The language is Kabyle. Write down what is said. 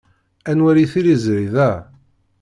Ad nwali tiliẓri da.